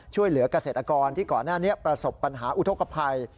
ช่วยเหลือกเกษตรกรที่ก่อนหน้านี้ประสบปัญหาอุทธกภัย